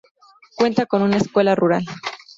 Cuenta con una escuela rural.